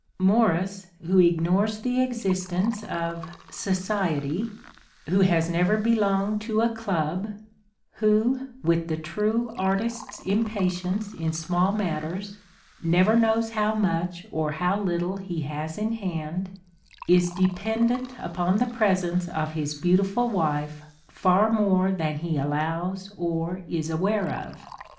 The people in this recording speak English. Morris, who ignores the existence of "society", who has never belonged to a club, — who, with the true artist's impatience in small matters, never knows how much or how little he has in hand, is dependent upon the presence of his beautiful wife far more than he allows or is aware of.